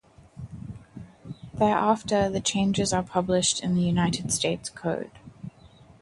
Thereafter, the changes are published in the United States Code.